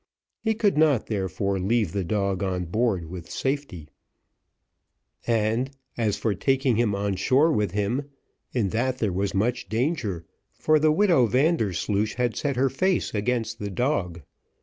He could not, therefore, leave the dog on board with safety; and, as for taking him on shore with him, in that there was much danger, for the widow Vandersloosh had set her face against the dog.